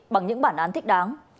bằng những bản án thích đáng